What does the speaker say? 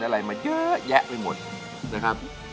อะไรมาเยอะแยะไปหมดนะครับ